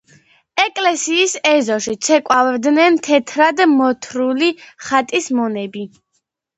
ეკლესიის ეზოში ცეკვავდნენ თეთრად მორთული „ხატის მონები“.